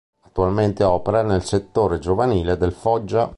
Attualmente opera nel settore giovanile del Foggia.